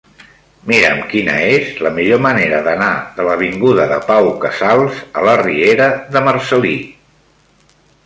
Mira'm quina és la millor manera d'anar de l'avinguda de Pau Casals a la riera de Marcel·lí.